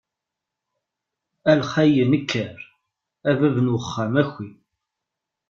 A lxayen aker, a bab n uxxam aki!